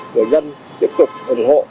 người dân tiếp tục ủng hộ